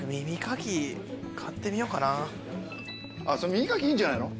耳かきいいんじゃないの？